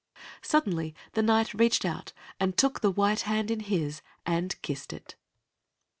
Suddenly the Knight reached out and took the white hand in his and kissed it.